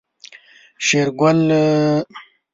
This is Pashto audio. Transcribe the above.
شېرګل د مېږو د پلورلو پلان جوړ کړ.